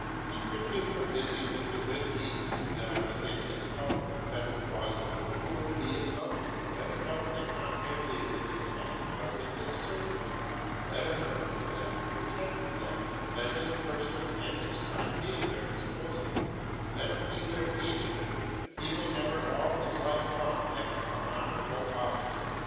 Keep your pupil busy with the good deeds that are within his power, let the cause of the poor be his own, let him help them not merely with his money, but with his service; let him work for them, protect them, let his person and his time be at their disposal; let him be their agent; he will never all his life long have a more honourable office.